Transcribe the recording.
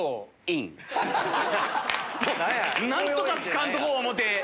何とか着かんとこ思うて。